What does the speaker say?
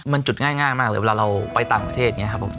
มันจุดง่ายมากเลยเวลาเราไปต่างประเทศอย่างนี้ครับผม